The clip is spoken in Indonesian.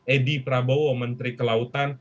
edi prabowo menteri kelautan